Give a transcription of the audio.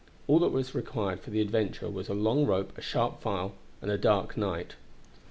All that was required for the adventure was a long rope, a sharp file, and a dark night.